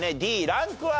Ｄランクは？